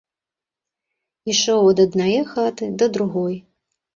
Ішоў ад аднае хаты да другой.